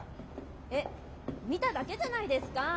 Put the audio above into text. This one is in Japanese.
えっ見ただけじゃないですかぁ。